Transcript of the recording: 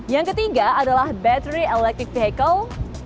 yang ketiga adalah battery electric vehicle